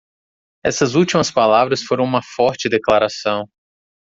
Essas últimas palavras foram uma forte declaração.